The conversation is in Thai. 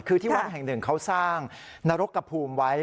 คือที่วัดแห่งหนึ่งเขาสร้างนรกกระภูมิไว้